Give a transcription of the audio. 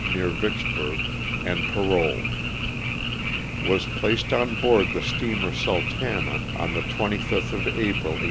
near Vicksburg, and paroled. Was placed on board the steamer '* Sultana" on the 25th of April, 1865.